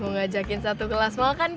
mau ngajakin satu kelas mall kan